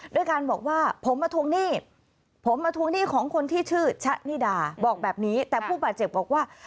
ด้วยการบอกว่าผมมาทวงหนี้ผมมาทวงหนี้ของคนที่ชื่อชะนิดาบอกแบบนี้แต่ผู้บาดเจ็บบอกว่า